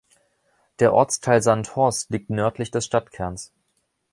Der Ortsteil Sandhorst liegt nördlich des Stadtkerns.